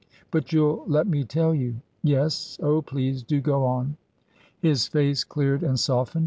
" But you'll let me tell you ?"" Yes. Oh, please do go on." His face cleared and softened.